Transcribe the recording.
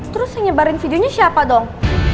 terus nyebarin videonya siapa dong